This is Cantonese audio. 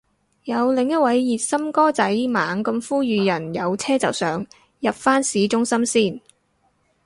有另一位熱心哥仔猛咁呼籲人有車就上，入返市中心先